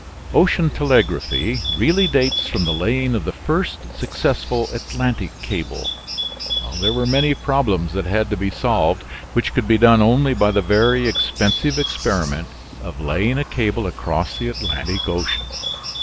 Ocean telegraphy really dates from the laying of the first successful Atlantic cable. There were many problems that had to be solved, which could be done only by the very expensive experiment of laying a cable across the Atlantic Ocean.